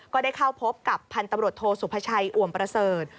ก็ได้เข้าพบกับพันธุ์ตำรวจโทสุภาชัยอวมประเสริฐ